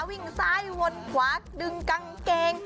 วิ่งซ้ายวนขวาดึงกางเกง